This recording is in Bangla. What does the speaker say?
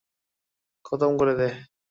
খতম করে দে!